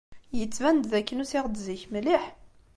Yettban-d d akken usiɣ-d zik mliḥ.